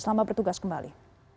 selamat bertugas kembali